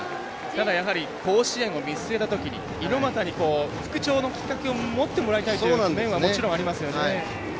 ただ甲子園を見据えたときに猪俣に復調のきっかけを持ってもらいたかったという面ももちろんありますよね。